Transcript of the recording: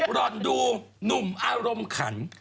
รอนดูหนุ่มอารมณ์ขัน